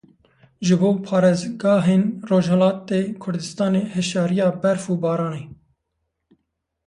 Ji bo parêzgahên Rojhilatê Kurdistanê hişyariya berf û baranê.